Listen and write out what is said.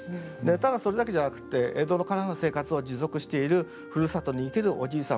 ただそれだけじゃなくって江戸からの生活を持続しているふるさとに生けるおじいさん